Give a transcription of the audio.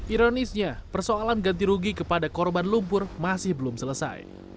ironisnya persoalan ganti rugi kepada korban lumpur masih belum selesai